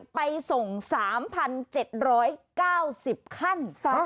ไปส่ง๓๗๙๐ขั้น